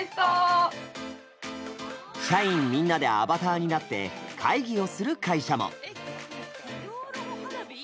社員みんなでアバターになって会議をする会社も。